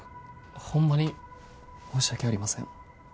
ホンマに申し訳ありません。